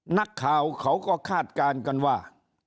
นักข่าวเขาก็คาดการณ์กันว่า